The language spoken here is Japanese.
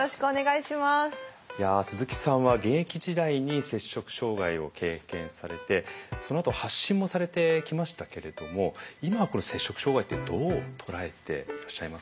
いや鈴木さんは現役時代に摂食障害を経験されてそのあと発信もされてきましたけれども今これ摂食障害ってどう捉えていらっしゃいますか？